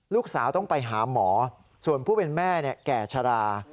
ลูกสาวต้องไปหาหมอส่วนผู้เป็นแม่แก่ชะลา